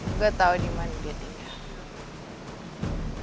aku tahu dimana dia tinggal